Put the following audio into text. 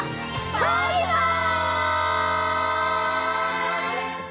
バイバイ！